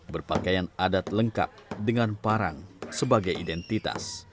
berpakaian adat lengkap dengan parang sebagai identitas